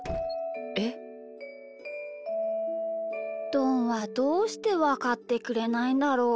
どんはどうしてわかってくれないんだろう？